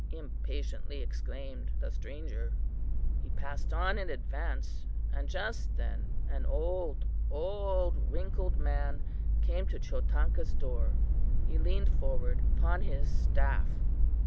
impatiently exclaimed the stranger. "He passed on in advance, and just then an old, old wrinkled man came to Chotanka's door. He leaned forward upon his staff.